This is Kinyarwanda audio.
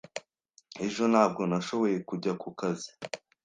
Ejo, ntabwo nashoboye kujya ku kazi.